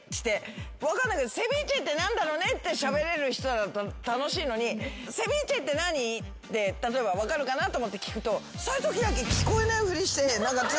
セビーチェって何だろうねってしゃべれる人なら楽しいのにセビーチェって何？って例えば分かるかなと思って聞くとそういうときだけ。